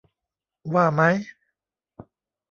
ว่ามั้ย